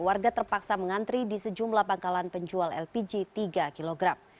warga terpaksa mengantri di sejumlah pangkalan penjual lpg tiga kg